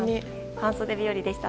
半袖日和でした。